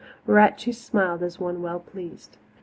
Whereat she smiled as one well pleased.